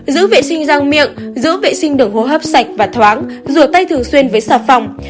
giữ vệ sinh răng miệng giữ vệ sinh đường hô hấp sạch và thoáng rửa tay thường xuyên với xà phòng